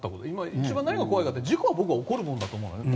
一番何が怖いかって事故が僕は起こるものだと思うんだよね。